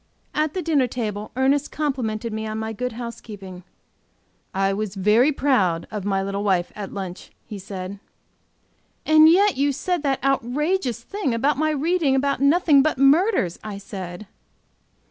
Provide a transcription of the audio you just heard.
At the dinner table Ernest complimented me on my good housekeeping. "I was proud of my little wife at lunch" he said. "And yet you said that outrageous thing about my reading about nothing but murders!" I said.